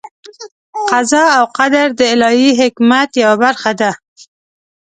قضا او قدر د الهي حکمت یوه برخه ده.